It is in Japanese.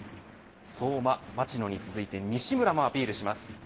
相馬、町野に続いて西村もアピールします。